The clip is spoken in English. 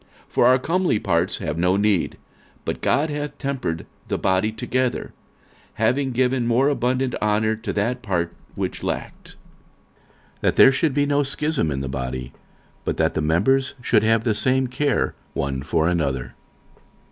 46:012:024 For our comely parts have no need: but God hath tempered the body together, having given more abundant honour to that part which lacked. 46:012:025 That there should be no schism in the body; but that the members should have the same care one for another.